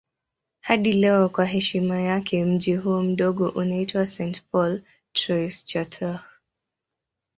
Hadi leo kwa heshima yake mji huo mdogo unaitwa St. Paul Trois-Chateaux.